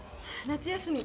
夏休み。